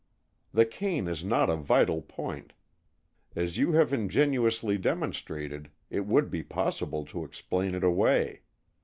"The cane is not a vital point. As you have ingeniously demonstrated, it would be possible to explain it away.